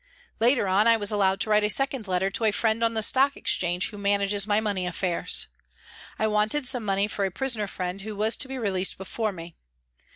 Later on I was allowed to write a second letter to a friend on the Stock Exchange who manages my money affairs. I wanted some money for a prisoner friend who was to be released before me.